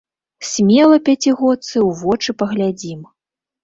Смела пяцігодцы ў вочы паглядзім.